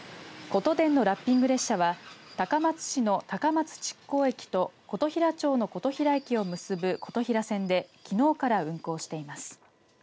ことでんのラッピング列車は高松市の高松築港駅と琴平町の琴平駅を結ぶ琴平線できのうから運行しています。